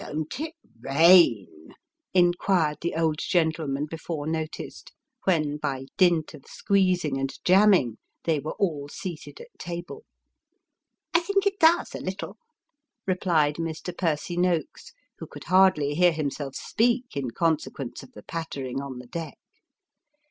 " Don't it rain ?" inquired the old gentleman before noticed, when, by dint of squeezing and jamming, they were all seated at table. " I think it does a little," replied Mr. Percy Noakos, who could hardly hear himself speak, in consequence of the pattering on the deck.